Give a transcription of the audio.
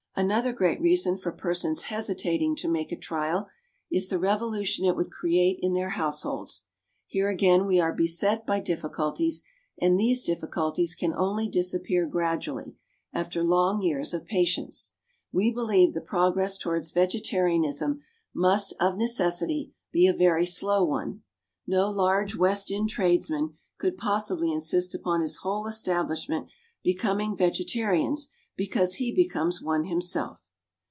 Another great reason for persons hesitating to make a trial is the revolution it would create in their households. Here again we are beset by difficulties, and these difficulties can only disappear gradually, after long years of patience. We believe the progress towards vegetarianism must of necessity be a very slow one. No large West End tradesman could possibly insist upon his whole establishment becoming vegetarians because he becomes one himself.